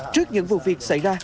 trước những vụ việc xảy ra